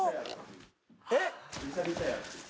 えっ？